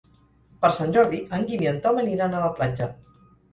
Per Sant Jordi en Guim i en Tom aniran a la platja.